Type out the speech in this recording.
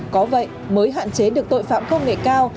có vậy mới hạn chế được tội phạm công nghệ cao